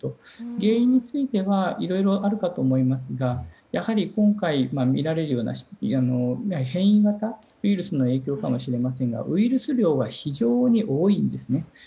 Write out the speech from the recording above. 原因についてはいろいろあるかと思いますがやはり今回見られるような変異型ウイルスの影響かもしれませんがウイルス量が非常に多いんですね。